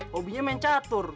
hobinya main catur